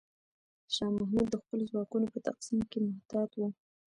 شاه محمود د خپلو ځواکونو په تقسیم کې محتاط و.